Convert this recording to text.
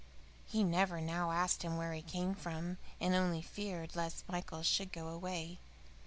He never now asked him where he came from, and only feared lest Michael should go away.